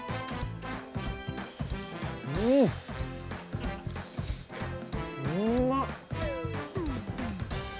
うん、うまっ。